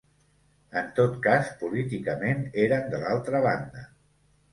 En tot cas, políticament eren de l'altra banda